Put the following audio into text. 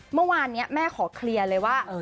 เมื่อวานนี้แม่ขอเคลียร์เลยว่า